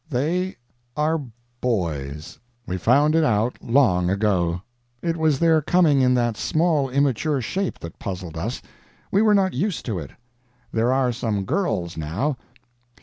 They are boys; we found it out long ago. It was their coming in that small immature shape that puzzled us; we were not used to it. There are some girls now.